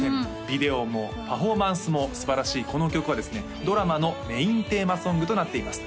ビデオもパフォーマンスもすばらしいこの曲はですねドラマのメインテーマソングとなっています